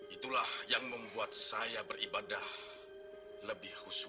itulah yang membuat saya beribadah lebih khusyuk